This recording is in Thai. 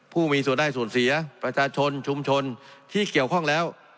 ผู้มีส่วนได้ส่วนเสียประชาชนชุมชนที่เกี่ยวข้องแล้ว